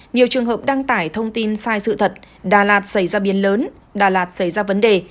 nhiều trường hợp đăng tải thông tin sai sự thật đà lạt xảy ra biến lớn đà lạt xảy ra vấn đề